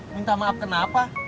minta maaf kenapa